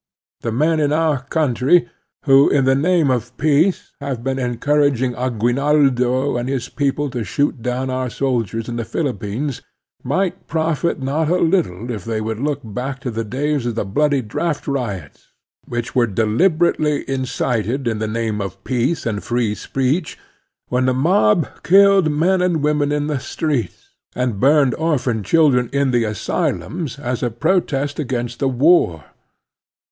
The men in our own cotintry who, in the name of peace, have been encouraging Aguinaldo and his people to shoot down our soldiers in the Philippines might profit not a little if they would look back to the days of the bloody draft riots, which were deliberately incited in the name of peace and free speech, when the mob killed men and women in the streets and btimed orphan children in the asyltims as a protest against the war.